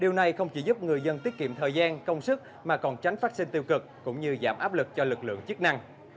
điều này không chỉ giúp người dân tiết kiệm thời gian công sức mà còn tránh phát sinh tiêu cực cũng như giảm áp lực cho lực lượng chức năng